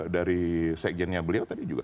dari sekjennya beliau tadi juga